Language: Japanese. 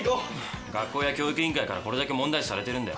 学校や教育委員会からこれだけ問題視されてるんだよ。